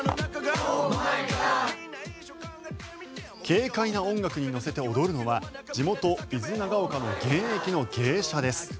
軽快な音楽に乗せて踊るのは地元・伊豆長岡の現役の芸者です。